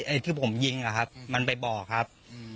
ที่ผมยิงอะครับมันไปบอกครับ